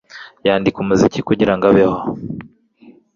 Yandika umuziki kugirango abeho